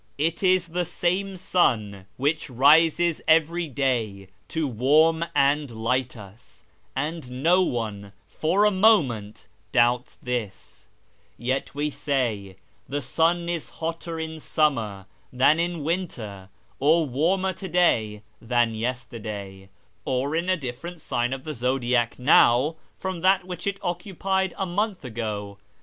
It is the same sun which rises every day to warm and light us, and no one for a moment doubts this ; yet we say that the sun is hotter in summer than in winter, or warmer to day than yesterday, or in a different sign of the zodiac now from that which it occupied a month ago.